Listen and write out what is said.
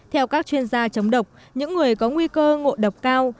theo các chuyên gia chống độc những người có nguy cơ ngộ độc cao